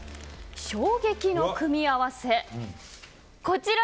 衝撃の組み合わせ。